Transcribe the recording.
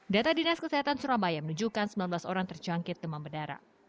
data dinas kesehatan surabaya menunjukkan sembilan belas orang terjangkit demam berdarah